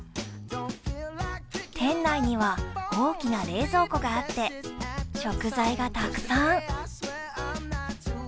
店内には大きな冷蔵庫があって、食材がたくさん。